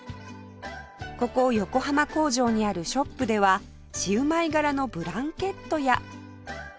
ここ横浜工場にあるショップではシウマイ柄のブランケットや